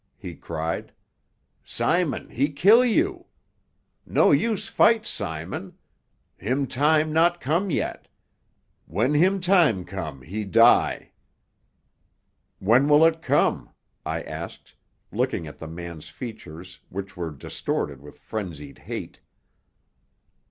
he cried. "Simon he kill you. No use to fight Simon. Him time not come yet. When him time come, he die." "When will it come?" I asked, looking at the man's features, which were distorted with frenzied hate.